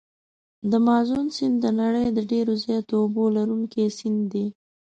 د مازون سیند د نړۍ د ډېر زیاتو اوبو لرونکي سیند دی.